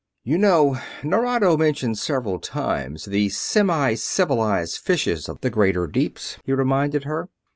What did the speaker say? "You know Nerado mentioned several times the 'semicivilized fishes of the greater deeps'?" he reminded her.